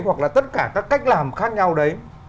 hoặc là tất cả các cách làm khác nhau đấy